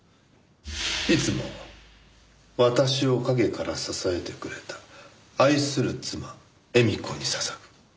「いつも私を影から支えてくれた愛する妻・絵美子に捧ぐ」